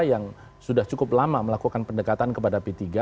yang sudah cukup lama melakukan pendekatan kepada p tiga